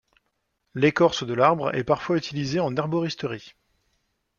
L'écorce de l'arbre est parfois utilisée en herboristerie.